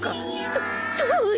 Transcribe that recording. そそうよ。